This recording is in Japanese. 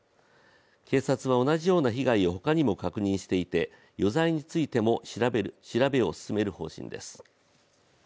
警察は同じような被害を他にも確認していて余罪についても調べを進める方針です。